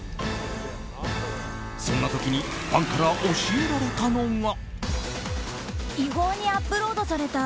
そんな時にファンから教えられたのが。